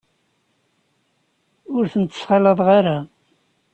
Ur tent-ttxalaḍeɣ ara.